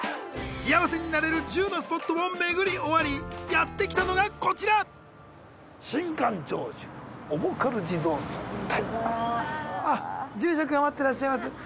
幸せになれる１０のスポットを巡り終わりやってきたのがこちら心願成就おもかる地蔵尊住職が待っていらっしゃいます